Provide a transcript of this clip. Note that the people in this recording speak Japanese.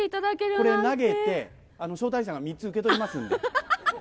これ投げて、昇太師匠が３つ受け取りますので。